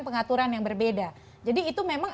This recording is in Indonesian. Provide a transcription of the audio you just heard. pengaturan yang berbeda jadi itu memang